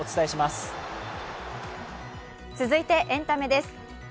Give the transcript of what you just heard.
続いてエンタメです。